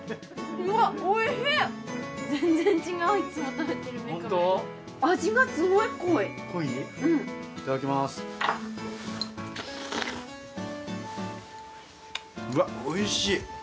うわっ美味しい！